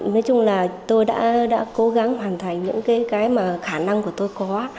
nói chung là tôi đã cố gắng hoàn thành những cái mà khả năng của tôi có